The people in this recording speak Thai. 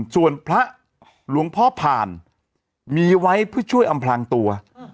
ส่วนพระหลวงพ่อผ่านมีไว้เพื่อช่วยอำพลังตัว